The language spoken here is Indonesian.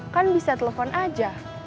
kan bisa telfon aja